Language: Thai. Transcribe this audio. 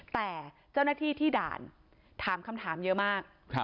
แต่เจ้าหน้าที่ที่ด่านถามคำถามเยอะมาก